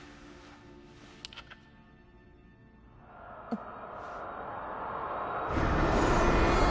あっ。